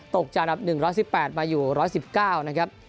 ตกจากอันดับ๑๑๘มาอยู่๑๑๙นะครับ